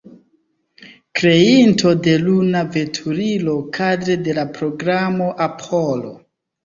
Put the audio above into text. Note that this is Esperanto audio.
Kreinto de luna veturilo kadre de la Programo Apollo.